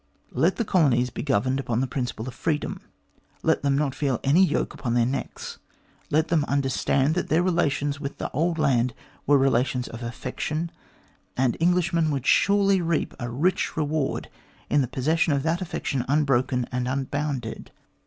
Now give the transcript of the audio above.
Let the colonies be governed upon the principle of freedom ; let them not feel any yoke upon their necks ; let them under stand that their relations with the old land were relations of affection, and Englishmen would assuredly reap a rich reward in the possession of that affection unbroken and unbounded.